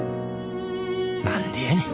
何でやねん